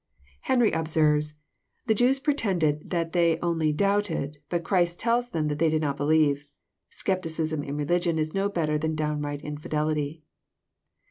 Henry observes, The Jews pretended that they only doubted^ but Christ tells them that they did not believe. Scepticism in religion is no better than downright infidelity."